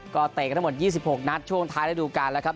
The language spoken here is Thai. ก็เตะกันทั้งหมด๒๖นัดช่วงท้ายระดูการแล้วครับ